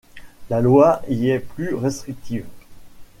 La loi y est plus restrictive.